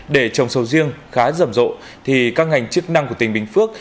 để trồng sầu riêng khá rầm rộ thì các ngành chức năng của tỉnh bình phước